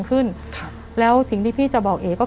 แต่ขอให้เรียนจบปริญญาตรีก่อน